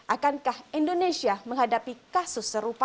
akankah indonesia menghadapi kasus serupa